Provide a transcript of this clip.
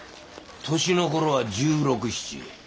年の頃は１６１７。